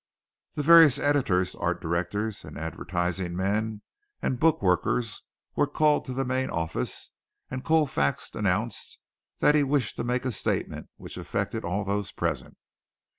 The various editors, art directors, advertising men and book workers were called to the main office and Colfax announced that he wished to make a statement which affected all those present.